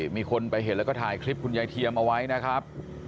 มีคนไปเห็นแล้วก็ถ่ายคลิปคุณยายเทียมเอาไว้นะครับ